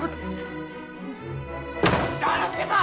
丈之助さん！